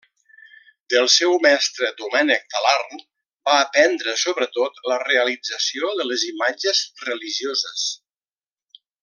Del seu mestre Domènec Talarn va aprendre, sobretot, la realització de les imatges religioses.